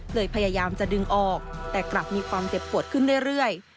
พยายามจะดึงออกแต่กลับมีความเจ็บปวดขึ้นเรื่อย